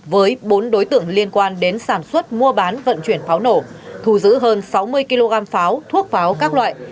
với bốn đối tượng liên quan đến sản xuất mua bán vận chuyển pháo nổ thù giữ hơn sáu mươi kg pháo thuốc pháo các loại